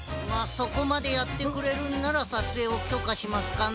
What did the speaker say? そこまでやってくれるんならさつえいをきょかしますかな。